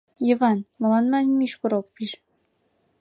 — Йыван, молан мыйын мӱшкыр ок пиж?